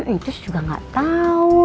encus juga gak tau